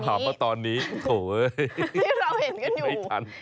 พามาตอนนี้โถ่เอ้ย